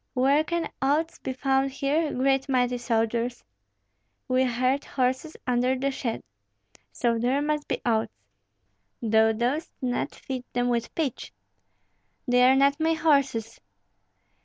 "Where can oats be found here, great mighty soldiers?" "We heard horses under the shed, so there must be oats; thou dost not feed them with pitch." "They are not my horses."